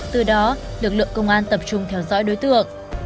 từ đó lực lượng công an tập trung theo dõi đối tượng